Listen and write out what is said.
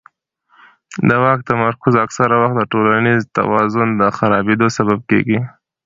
د واک تمرکز اکثره وخت د ټولنیز توازن د خرابېدو سبب کېږي